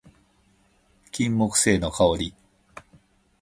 金木犀の香り